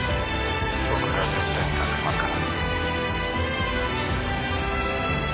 僕が絶対に助けますから」